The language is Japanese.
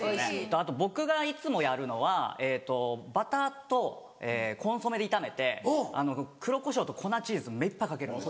あと僕がいつもやるのはバターとコンソメで炒めて黒コショウと粉チーズ目いっぱいかけるんです。